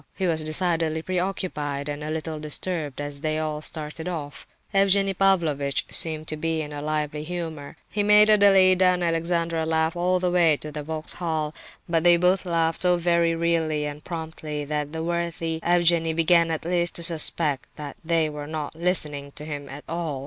He was decidedly preoccupied and a little disturbed as they all started off. Evgenie Pavlovitch seemed to be in a lively humour. He made Adelaida and Alexandra laugh all the way to the Vauxhall; but they both laughed so very readily and promptly that the worthy Evgenie began at last to suspect that they were not listening to him at all.